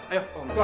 ayo keluar keluar